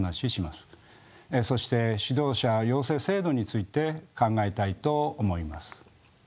そして指導者養成制度について考えたいと思います。